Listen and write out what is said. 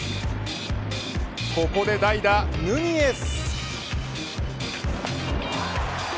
ここで代打ヌニエス。